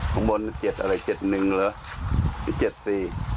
ข้างบน๗อะไร๗นึงเหรอ๗๔